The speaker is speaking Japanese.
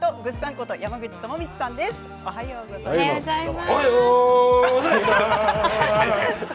こと山口智充さんです。